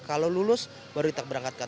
kalau lulus baru kita berangkatkan